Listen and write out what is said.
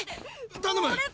頼む。